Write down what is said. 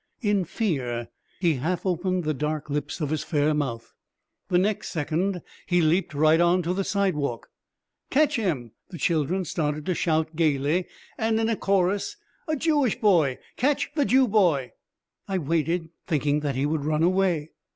In fear, he half opened the dark lips of his fair mouth, the next second he leaped right on to the sidewalk. "Catch him!" the children started to shout gaily and in a chorus. "A Jewish boy! Catch the Jew boy!" I waited, thinking that he would run away.